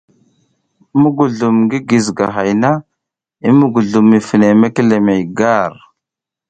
Muguzlum ngi gizigahay na i muguzlum mi fine mekelemey gar.